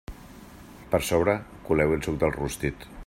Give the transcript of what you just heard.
Per sobre coleu-hi el suc del rostit.